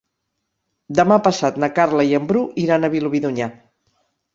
Demà passat na Carla i en Bru iran a Vilobí d'Onyar.